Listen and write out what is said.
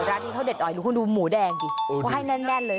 ร้านนี้เขาเด็ดด๋อยลูกคุณดูหมูแดงดิเพราะว่าให้แนนแนนเลย